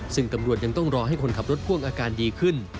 ซึ่งตำรวจยังต้องรอให้คนขับรถพ่วงอาการดีขึ้น